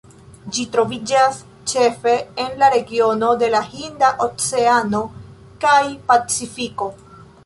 Ĝi troviĝas ĉefe en la regiono de la Hinda oceano kaj Pacifiko.